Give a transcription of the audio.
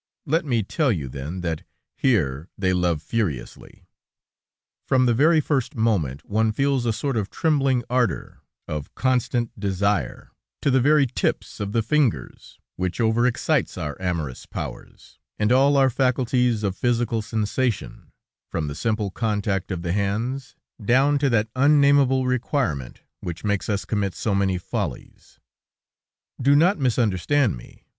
Let me tell you, then, that here they love furiously. From the very first moment, one feels a sort of trembling ardor, of constant desire, to the very tips of the fingers, which over excites our amorous powers, and all our faculties of physical sensation, from the simple contact of the hands, down to that unnamable requirement which makes us commit so many follies. Do not misunderstand me.